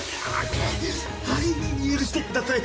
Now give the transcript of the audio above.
はい許してください。